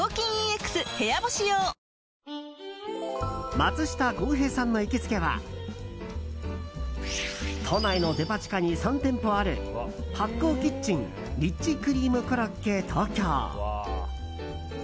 松下洸平さんの行きつけは都内のデパ地下に３店舗ある発酵ｋｉｔｃｈｅｎリッチクリームコロッケ東京。